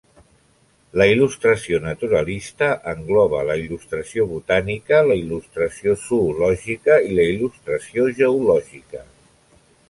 La il·lustració naturalista engloba la il·lustració botànica, la il·lustració zoològica i la il·lustració geològica.